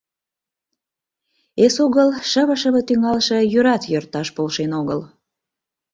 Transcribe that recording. Эсогыл шыве-шыве тӱҥалше йӱрат йӧрташ полшен огыл.